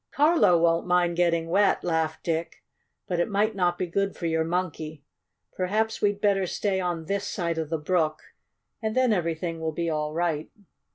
"Carlo won't mind getting wet!" laughed Dick. "But it might not be good for your Monkey. Perhaps we'd better stay on this side of the brook, and then everything will be all right."